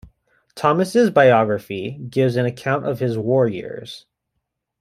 Thomas' biography gives an account of his war years.